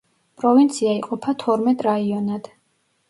პროვინცია იყოფა თორმეტ რაიონად.